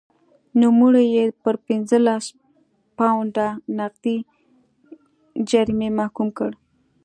نوموړی یې پر پنځلس پونډه نغدي جریمې محکوم کړ.